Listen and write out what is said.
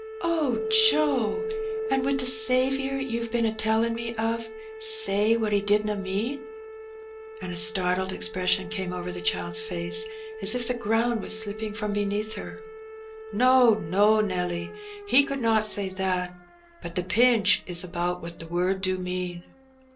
" Oh, Joe ! And would the Saviour you've been a telUn' me of say what He didna mean ?" And a startled expression came over the child's face, as if the ground was slipping from beneath her. "No> no, Nelly, He could not say that; but t]:ie pinch is about what the word do mean."